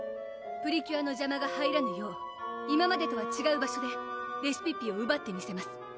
プリキュアの邪魔が入らぬよう今までとはちがう場所でレシピッピをうばってみせます！